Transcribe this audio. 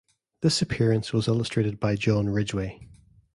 This appearance was illustrated by John Ridgway.